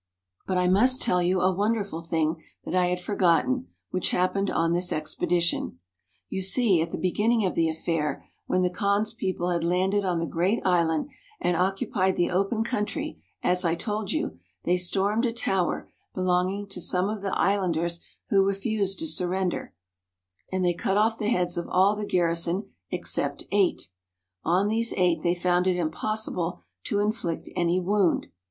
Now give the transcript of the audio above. But I must tell you a wonderful thing that I had forgot ten, which happened on this expedition. You see, at the beginning of the affair, when the Kaan's people had landed on the great island and occupied the open country, as I told you, they stormed a tower belonging to some of the islanders who refused to surrender, and they cut off the heads of all the garrison except eight : on these eight they found it impossible to inflict any wound.